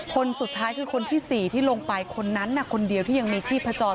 คนสุดท้ายคือคนที่๔ที่ลงไปคนนั้นคนเดียวที่ยังมีชีพจร